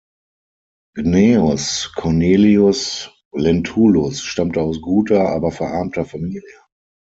Gnaeus Cornelius Lentulus stammte aus guter, aber verarmter Familie.